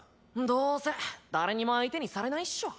どうせ誰にも相手にされないっしょ。